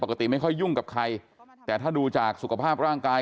ไม่ค่อยยุ่งกับใครแต่ถ้าดูจากสุขภาพร่างกาย